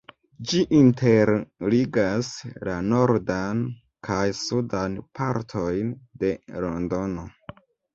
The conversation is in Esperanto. Ĝi interligas la nordan kaj sudan partojn de Londono.